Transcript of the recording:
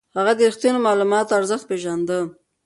هغه د رښتينو معلوماتو ارزښت پېژانده.